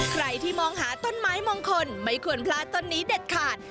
ใครที่มองหาต้นไม้มงคลไม่ควรพลาดต้นนี้เด็ดขาด